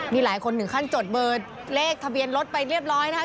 นี่หลายคนถึงขั้นจดเบอร์เลขทะเบียนรถไปเรียบร้อยนะคะ